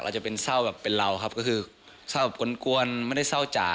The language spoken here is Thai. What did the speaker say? อาจจะเป็นเศร้าแบบเป็นเราครับก็คือเศร้ากวนไม่ได้เศร้าจ๋า